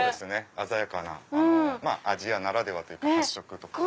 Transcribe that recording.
鮮やかなアジアならではというか発色とか。